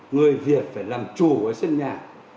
người việt phải làm chủ ở sân nhà